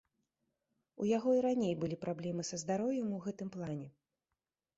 У яго і раней былі праблемы са здароўем у гэтым плане.